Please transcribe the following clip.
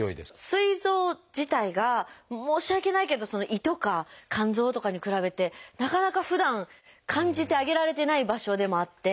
すい臓自体が申し訳ないけど胃とか肝臓とかに比べてなかなかふだん感じてあげられてない場所でもあって。